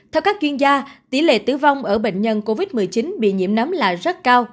theo các chuyên gia tỷ lệ tử vong ở bệnh nhân covid một mươi chín bị nhiễm nấm lại rất cao